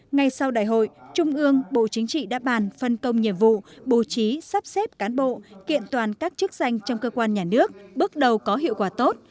ngay sau đại hội trung ương bộ chính trị đã bàn phân công nhiệm vụ bố trí sắp xếp cán bộ kiện toàn các chức danh trong cơ quan nhà nước bước đầu có hiệu quả tốt